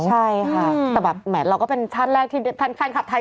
ใช่ค่ะแต่แบบแหมเราก็เป็นชาติแรกที่แฟนคลับไทย